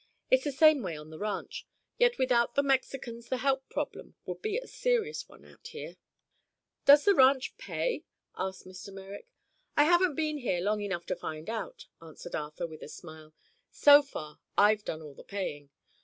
It's the same way on the ranch. Yet without the Mexicans the help problem would be a serious one out here." "Does the ranch pay?" asked Mr. Merrick. "I haven't been here long enough to find out," answered Arthur, with a smile. "So far, I've done all the paying.